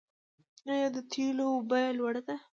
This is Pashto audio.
آیا د تیلو بیه لوړه ده؟